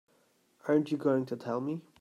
Aren't you going to tell me?